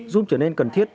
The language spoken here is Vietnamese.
zoom trở nên cần thiết